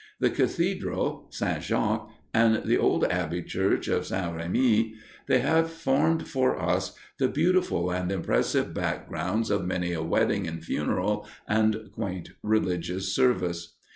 The cathedral, St. Jacques, and the old abbey church of St. Remi they have formed for us the beautiful and impressive backgrounds of many a wedding and funeral and quaint religious service.